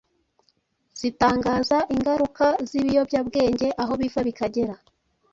zitangaza ingaruka z’ibiyobyabwenge aho biva bikagera.